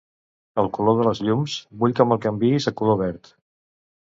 El color de les llums, vull que me'l canviïs a color verd.